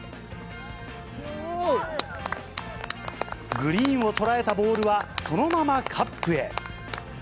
グリーンを捉えたボールは、そのままカップへ。